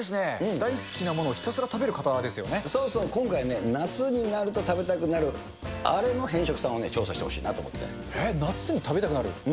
大好きなものをひたすら食べる方そうそう、今回ね、夏になると食べたくなる、あれの偏食さんをね、調査してほしいなと思って。